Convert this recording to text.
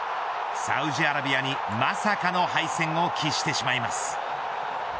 サウジアラビアに、まさかの敗戦を喫してしまいます。